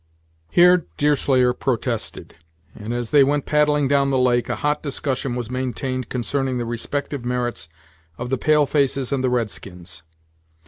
Here Deerslayer protested, and as they went paddling down the lake, a hot discussion was maintained concerning the respective merits of the pale faces and the red skins.